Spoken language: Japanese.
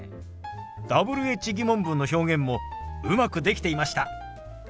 Ｗｈ−疑問文の表現もうまくできていました。